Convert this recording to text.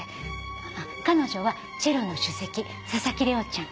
あっ彼女はチェロの首席佐々木玲緒ちゃん。